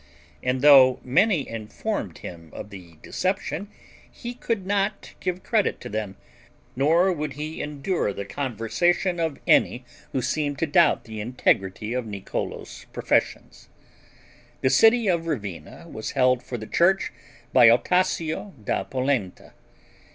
And though many informed him of the deception, he could not give credit to them, nor would he endure the conversation of any who seemed to doubt the integrity of Niccolo's professions. The city of Ravenna was held for the church by Ostasio da Polenta.